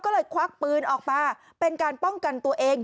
ก็เลยควักปืนออกมาเป็นการป้องกันตัวเอง